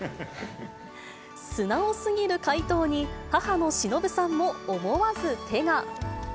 素直すぎる回答に、母のしのぶさんも思わず手が。